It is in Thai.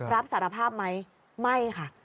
รับสารภาพไหมไม่ค่ะ